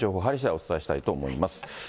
お伝えしたいと思います。